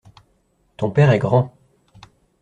Ton père est grand.